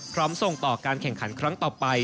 ส่งต่อการแข่งขันครั้งต่อไป